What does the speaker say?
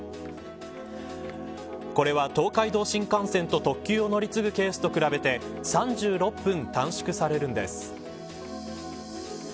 これは、東海道新幹線と特急を乗り継ぐケースと比べて３６分短縮されるのです。